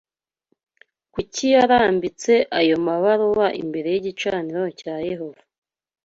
Kuki yarambitse ayo mabaruwa imbere y’igicaniro cya Yehova